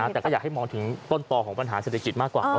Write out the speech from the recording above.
แต่ก็อยากให้มองถึงต้นต่อของปัญหาเศรษฐกิจมากกว่า